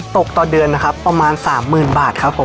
ต่อเดือนนะครับประมาณ๓๐๐๐บาทครับผม